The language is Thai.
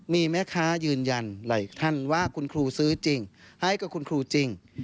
มีแม่ค้ายืนยันหลายท่านว่าคุณครูซื้อจริงให้กับคุณครูจริง